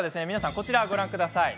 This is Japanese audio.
こちらをご覧ください。